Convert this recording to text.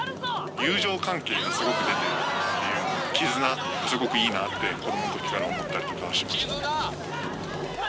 友情関係がすごく出てるっていう、絆、すごくいいなって、子どものときから思って。